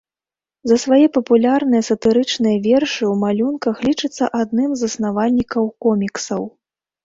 За свае папулярныя сатырычныя вершы ў малюнках лічыцца адным з заснавальнікаў коміксаў.